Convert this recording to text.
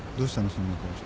そんな顔して。